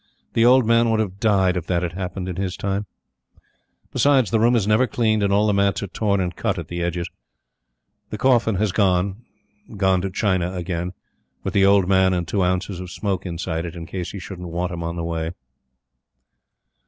The old man would have died if that had happened in his time. Besides, the room is never cleaned, and all the mats are torn and cut at the edges. The coffin has gone gone to China again with the old man and two ounces of smoke inside it, in case he should want 'em on the way.